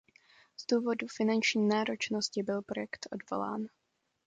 Z důvodu finanční náročnosti byl projekt odvolán.